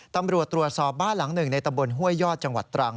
ตำรวจตรวจสอบบ้านหลังหนึ่งในตำบลห้วยยอดจังหวัดตรัง